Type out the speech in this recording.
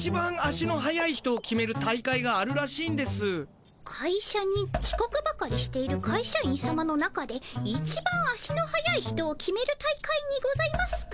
いしゃにちこくばかりしているかいしゃ員さまの中でいちばん足の速い人を決める大会にございますか？